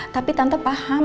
tapi tante paham